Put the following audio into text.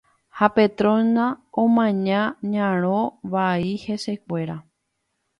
ha Petrona omaña ñarõ vai hesekuéra